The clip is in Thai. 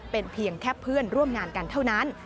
เป็นเพียงแค่เพื่อนร่วมงานกันเท่านั้น